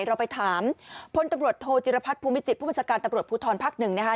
เราไปถามพลตำรวจโทจิรพัฒน์ภูมิจิตผู้บัญชาการตำรวจภูทรภักดิ์หนึ่งนะคะ